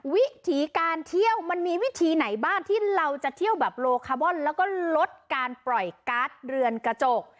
วิถีการเที่ยวมันมีวิธีไหนบ้างที่เราจะเที่ยวแบบโลคาร์บอนแล้วก็ลดการปล่อยการ์ดเรือนกระจก